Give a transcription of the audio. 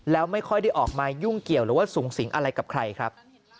แล้วไม่ค่อยได้ออกมายุ่งเกี่ยวหรือว่าสูงสิงอะไรกับใครครับ